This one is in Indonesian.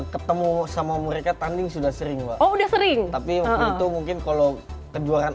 ketemu sama mereka tanding sudah sering pak udah sering tapi waktu itu mungkin kalau kejuaraan